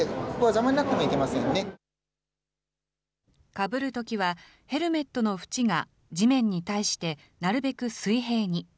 かぶるときはヘルメットの縁が地面に対してなるべく水平に。